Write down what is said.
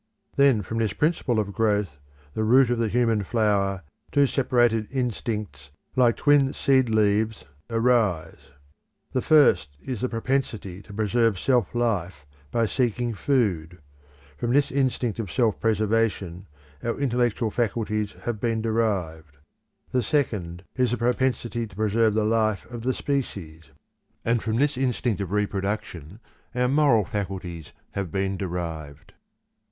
Then from this principle of growth, the root of the human flower, two separated instincts like twin seed leaves arise. The first is the propensity to preserve self life by seeking food; from this instinct of self preservation our intellectual faculties have been derived. The second is the propensity to preserve the life of the species; and from this instinct of reproduction our moral faculties have been derived.